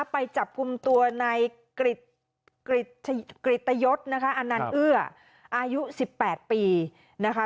ไปจับกลุ่มตัวในกริตยศนะคะอันนันเอื้ออายุ๑๘ปีนะคะ